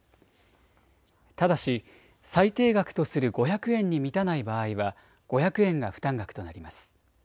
ただし最低額とする５００円に満たない場合は５００円が負担額となります。